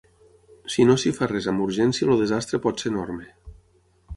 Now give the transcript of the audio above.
Si no s’hi fa res amb urgència, el desastre pot ser enorme.